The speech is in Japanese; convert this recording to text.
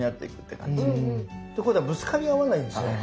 ということはぶつかり合わないんですね。